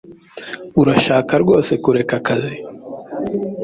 Urashaka rwose kureka akazi?